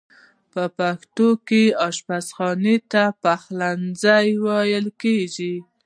په پښتو کې آشپز خانې ته پخلنځی ویل کیږی.